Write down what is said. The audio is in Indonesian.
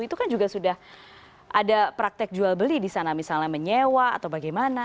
itu kan juga sudah ada praktek jual beli di sana misalnya menyewa atau bagaimana